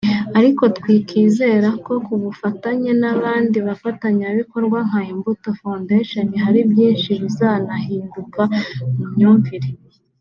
ariko twikizera ko ku bufatanye n’abandi bafatanyabikorwa(Nka Imbuto Foundation) hari byinshi bizanahinduka mu myumvire